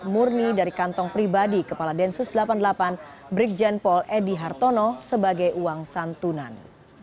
murni dari kantong pribadi kepala densus delapan puluh delapan brigjen paul edy hartono sebagai uang santunan